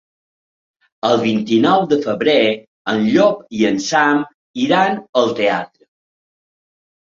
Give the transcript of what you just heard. El vint-i-nou de febrer en Llop i en Sam iran al teatre.